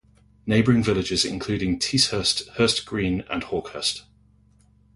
Neighbouring villages include Ticehurst, Hurst Green and Hawkhurst.